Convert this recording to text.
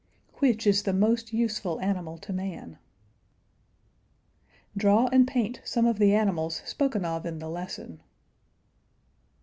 Which is the most useful animal to man? Draw and paint some of the animals spoken of in the lesson.